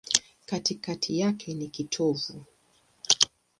Katikati yake ni kitovu.